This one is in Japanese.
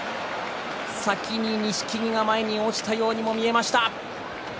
先に錦木が落ちたようにも見えました。